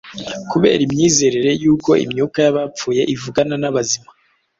Kubera imyizerere y’uko imyuka y’abapfuye ivugana n’abazima